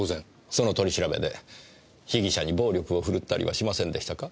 その取り調べで被疑者に暴力を振るったりはしませんでしたか？